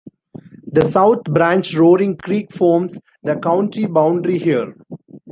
The South Branch Roaring Creek forms the county boundary here.